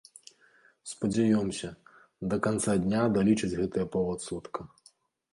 Спадзяёмся, да канца дня далічаць гэтыя паўадсотка.